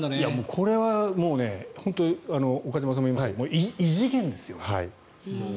これは本当に岡島さんも言いましたけど異次元ですよ。